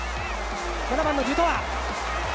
７番のデュトイ。